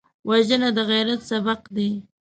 وژنه د عبرت سبق دی